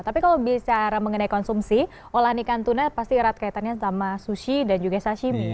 tapi kalau bicara mengenai konsumsi olahan ikan tuna pasti erat kaitannya sama sushi dan juga sashimi